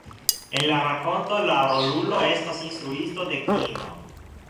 En la rakonto, la rolulo estas instruisto de kino.